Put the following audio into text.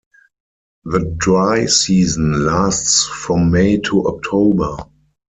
The dry season lasts from May to October.